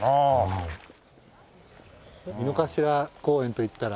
井の頭公園といったら。